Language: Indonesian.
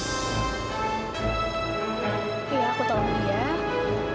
iya aku tolong dia